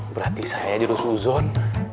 berarti saya aja udah suzon